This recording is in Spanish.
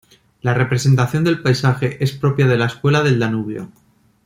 La representación del paisaje es propia de la escuela del Danubio.